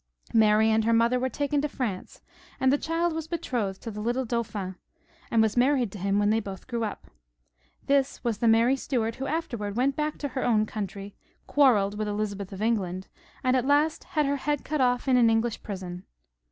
Mary and her mother were taken to France, and the child was betrothed to the little Dauphin, and was married to him when they both grew up. This was the Mary Stuart who afterwards went back to her own country, quaxrelled with Elizabeth of England, and at last had her head cut off in an English prison.